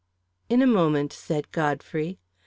"In a moment," said Godfrey.